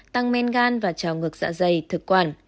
tăng men gan và trào ngược dạ dày thực quản